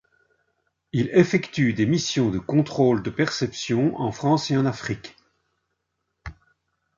Il effectue des missions de contrôle de perceptions en France et en Afrique.